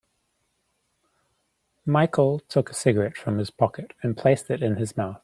Michael took a cigarette from his pocket and placed it in his mouth.